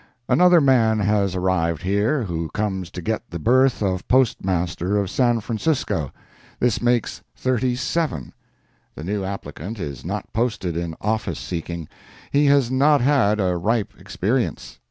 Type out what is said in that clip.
Another man has arrived here who comes to get the berth of Postmaster of San Francisco. This makes thirty seven. The new applicant is not posted in office seeking; he has not had a ripe experience.